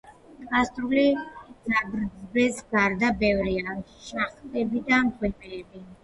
კარსტული ძაბრების გარდა ბევრია შახტები და მღვიმეები.